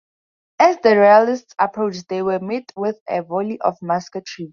As the Royalists approached they were met with a volley of musketry.